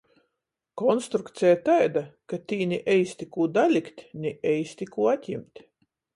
Konstrukceja taida, ka tī ni eisti kū dalikt, ni eisti kū atjimt.